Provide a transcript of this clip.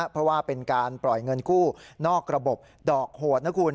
เพราะว่าเป็นการปล่อยเงินกู้นอกระบบดอกโหดนะคุณ